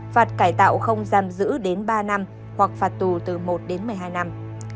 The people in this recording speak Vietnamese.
phạt cải tạo không giam giữ đến ba năm hoặc phạt tù từ một đến một mươi hai năm